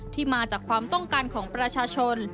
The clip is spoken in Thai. ที่มาจากความต้องการของประชาชน